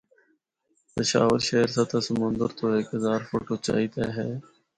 پشاور شہر سطح سمندر تو ہک ہزار فٹ اُچائی تے ہے۔